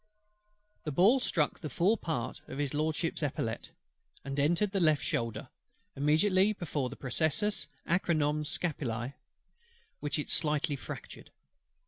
_ "The ball struck the fore part of HIS LORDSHIP'S epaulette; and entered the left shoulder immediately before the processus acromion scapulae, which it slightly fractured.